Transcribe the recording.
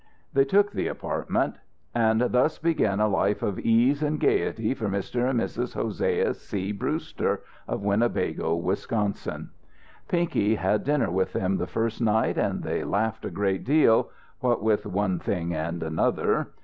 They took the apartment. And thus began a life of ease and gayety for Mr. and Mrs. Hosea C. Brewster, of Winnebago, Wisconsin. Pinky had dinner with them the first night, and they laughed a great deal, what with one thing and another.